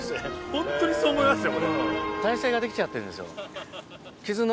ホントにそう思いますよ。